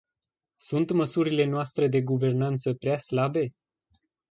Sunt măsurile noastre de guvernanță prea slabe?